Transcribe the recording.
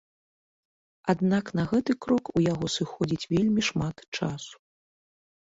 Аднак на гэты крок у яго сыходзіць вельмі шмат часу.